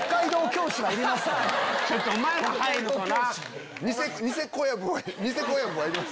ちょっとお前ら入るとな。